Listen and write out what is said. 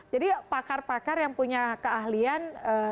jadi pakar pakar yang punya keahlian